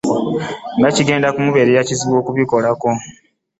Nga kigenda kumubeerera kizibu okubikolako